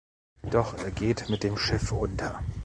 Doch er geht mit dem Schiff unter.